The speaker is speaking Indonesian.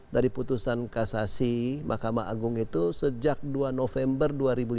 dari putusan kasasi mahkamah agung itu sejak dua november dua ribu tujuh belas